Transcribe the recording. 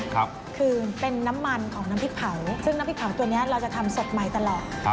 คือเป็นน้ำมันของน้ำพริกเผาซึ่งน้ำพริกเผาตัวนี้เราจะทำสดใหม่ตลอด